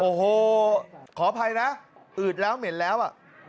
โอ้โหขออภัยนะอืดแล้วเหม็นแล้วอ่ะ